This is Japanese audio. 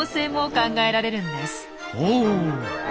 ほう！